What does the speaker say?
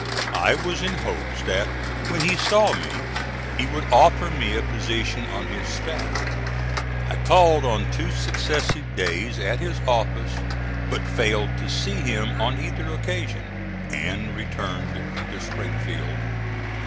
I was in hopes that when he saw me he would offer me a position on his staff. I called on two successive days at his office but failed to see him on either occasion, and returned to Springfield.